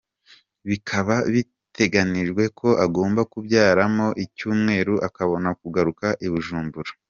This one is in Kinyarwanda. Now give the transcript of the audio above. Bikaba biteganijwe ko agomba kuyamaramo icyumweru akabona kugaruka i Bujumbura.